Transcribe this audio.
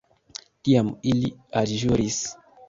Tiam ili alĵuris.